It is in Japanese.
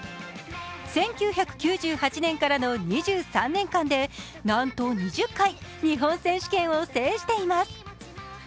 １９９８年からの２３年間でなんと２０回、日本選手権を制しています。